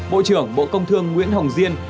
bộ trưởng bộ công thương nguyễn hồng diên